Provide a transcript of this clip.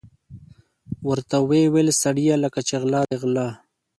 ورته ویې ویل: سړیه لکه چې غله دي غله.